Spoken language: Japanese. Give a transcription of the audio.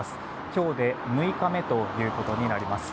今日で６日目ということになります。